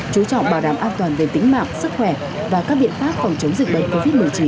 chú trọng bảo đảm an toàn về tính mạng sức khỏe và các biện pháp phòng chống dịch bệnh covid một mươi chín